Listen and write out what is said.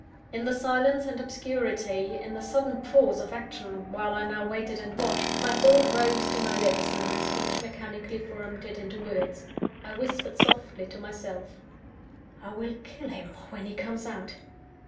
In the silence and obscurity, in the sudden pause of action while I now waited and watched, my Thought rose to my lips, and my speech mechanically formed it into words. I whispered softly to myself: _I will kill him when he comes out.